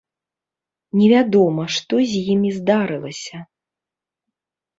Невядома, што з імі здарылася.